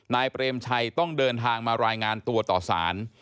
เปรมชัยต้องเดินทางมารายงานตัวต่อสาร